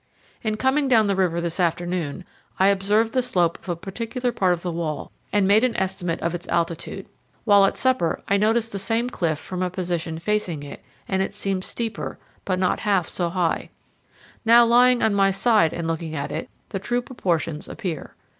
In coming down the river this afternoon, I observed the slope of a particular part of the wall and made an estimate of its altitude. While at supper, I noticed the same cliff from a position facing it, and it seemed steeper, but not half so high. Now lying on my side and looking at it, the true proportions appear.